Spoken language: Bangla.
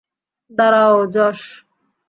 দাঁড়াও, জশ!